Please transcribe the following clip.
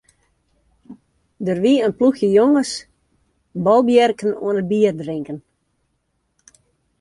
Der wie in ploechje jonges bolbjirken oan it bierdrinken.